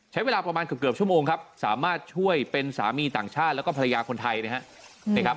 ใช้เวลาประมาณเกือบชั่วโมงครับสามารถช่วยเป็นสามีต่างชาติแล้วก็ภรรยาคนไทยนะครับ